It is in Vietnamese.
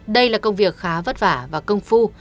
đây là công việc khá vất vả và công phu